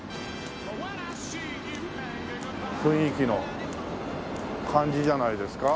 雰囲気の感じじゃないですか？